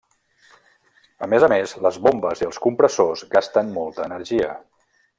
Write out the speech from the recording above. A més a més, les bombes i els compressors gasten molta energia.